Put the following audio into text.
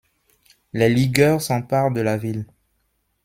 Les Ligueurs s'emparent de la ville.